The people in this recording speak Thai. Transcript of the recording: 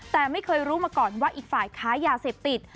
แต่ไม่เคยรู้มาก่อนว่าอีกฝ่ายค้ายาเสพติด